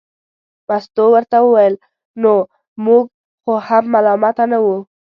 مستو ورته وویل نو موږ خو هم ملامته نه وو.